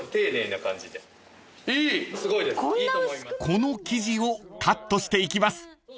［この生地をカットしていきます］